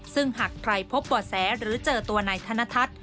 ซึ่งหากใครพบบ่อแสหรือเจอตัวนายธนทัศน์